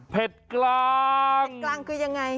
กลางเผ็ดกลางคือยังไง